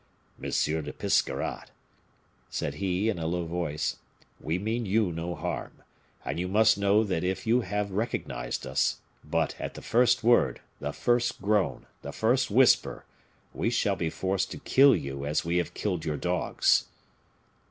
"Monsieur de Biscarrat," said he, in a low voice, "we mean you no harm, and you must know that if you have recognized us; but, at the first word, the first groan, the first whisper, we shall be forced to kill you as we have killed your dogs."